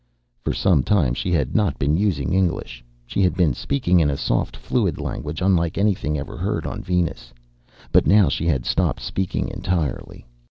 For some time she had not been using English. She had been speaking in a soft, fluid language unlike anything ever heard on Venus. But now she had stopped speaking entirely.